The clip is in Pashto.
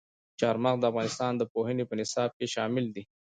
چار مغز د افغانستان د پوهنې په نصاب کې شامل دي.